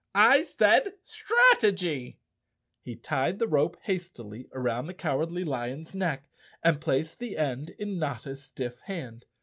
" I said strategy." He tied the rope hastily around the Cow¬ ardly Lion's neck and placed the end in Notta's stiff hand.